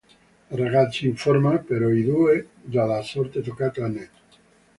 La ragazza informa però i due della sorte toccata a Ned.